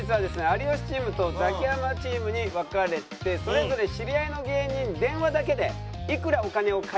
有吉チームとザキヤマチームに分かれてそれぞれ知り合いの芸人に電話だけでいくらお金を借りられるか。